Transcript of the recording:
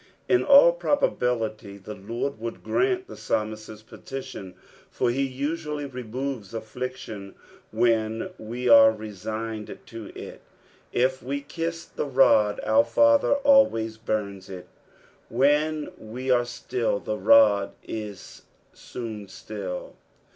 In all probability tho Lord would grant the psalmist's petition, for he usually removes afliiclioa when we are resigned to it ; if we kiss the rod, our Father always burns it. When we are still, the rod is soon still.